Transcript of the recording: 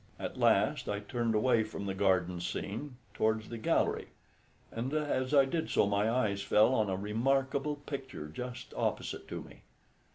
At last I turned away from the garden scene towards the gallery, and as I did so my eyes fell on a remarkable picture just opposite to me.